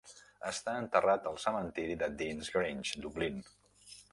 Està enterrat al cementiri de Deansgrange, Dublín.